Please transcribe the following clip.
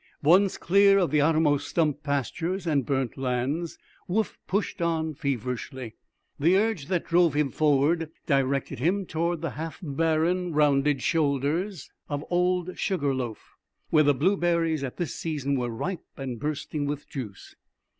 Once clear of the outermost stump pastures and burnt lands, Woof pushed on feverishly. The urge that drove him forward directed him toward the half barren, rounded shoulders of old Sugar Loaf, where the blue berries at this season were ripe and bursting with juice.